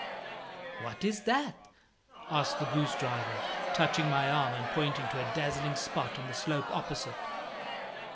"What is that?" asked the goose driver, touching my arm and pointing to a dazzling spot on the slope opposite.